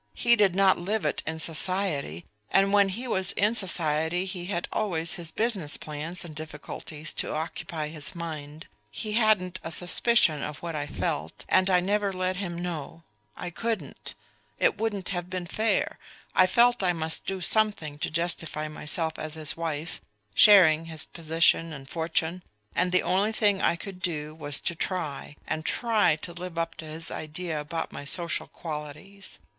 He did not live it in society, and when he was in society he had always his business plans and difficulties to occupy his mind. He hadn't a suspicion of what I felt, and I never let him know I couldn't; it wouldn't have been fair. I felt I must do something to justify myself as his wife, sharing his position and fortune; and the only thing I could do was to try, and try, to live up to his idea about my social qualities....